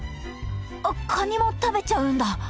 あっカニも食べちゃうんだ？